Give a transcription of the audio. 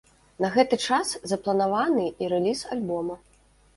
На гэты час запланаваны і рэліз альбома.